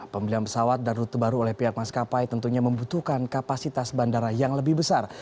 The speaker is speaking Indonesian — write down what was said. pembelian pesawat dan rute baru oleh pihak maskapai tentunya membutuhkan kapasitas bandara yang lebih besar